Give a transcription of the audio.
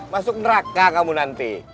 masuk neraka kamu nanti